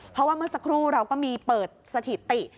เพราะว่าเมื่อสักครู่เราก็มีเปิดสถิติ